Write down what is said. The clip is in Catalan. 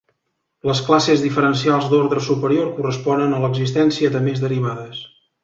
Les classes diferencials d'ordre superior corresponen a l'existència de més derivades.